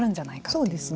そうですね。